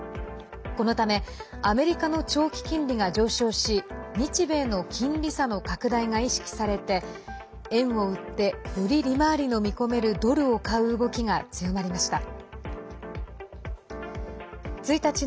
このためアメリカの長期金利が上昇し日米の金利差の拡大が意識されて円を売ってより利回りの見込めるドルを買う動きが強まりました。